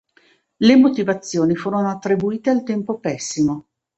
Le motivazioni furono attribuite al tempo pessimo.